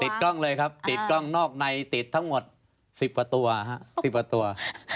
ติดกล้องเลยครับติดกล้องนอกในติดทั้งหมด๑๐ประตัวฮะ